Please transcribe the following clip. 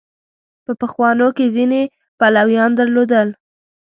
په پخوانو کې ځینې پلویان درلودل.